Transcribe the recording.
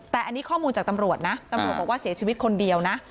แต่อันนี้ข้อมูลจากตำรวจนะตำรวจบอกว่าเสียชีวิตคนเดียวนะ